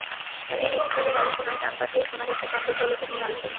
তাঁদের নিচু স্বরের আলোচনায় কান পাতলেই শোনা গেছে চন্দরপলকে নিয়ে আলোচনা।